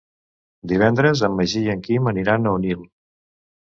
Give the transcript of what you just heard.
Divendres en Magí i en Quim aniran a Onil.